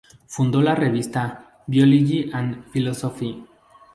Fundó la revista "Biology and Philosophy".